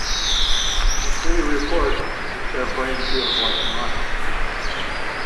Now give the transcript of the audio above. Many report that their brain feels like "mush".